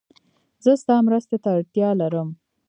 زه ستا مرسته ته اړتیا لرم.